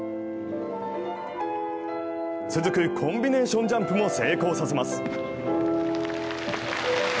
つづくコンビネーションジャンプも成功させます